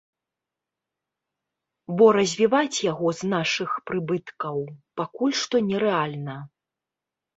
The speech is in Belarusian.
Бо развіваць яго з нашых прыбыткаў пакуль што нерэальна.